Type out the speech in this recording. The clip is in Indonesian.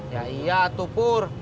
ya iya tuh pur